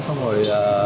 xong rồi là